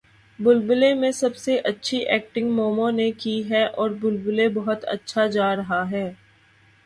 بلبلے میں سب سے اچھی ایکٹنگ مومو نے کی ہے اور بلبلے بہت اچھا جا رہا ہے